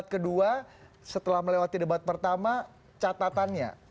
kedua setelah melewati debat pertama catatannya